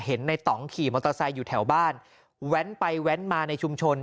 เห็นในต่องขี่มอเตอร์ไซค์อยู่แถวบ้านแว้นไปแว้นมาในชุมชน